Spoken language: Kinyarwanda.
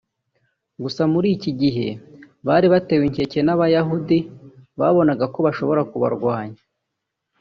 gusa muri iki gihe bari batewe inkeke n’abayahudi babonaga ko bashobora kubarwanya